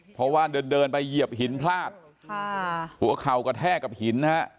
เพราะว่าเดินเดินไปเหยียบหินพลาดค่ะหัวเข่ากระแทกกับหินนะฮะ